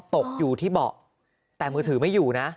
ตกอยู่ที่เบาะแต่มือถือไม่อยู่นะ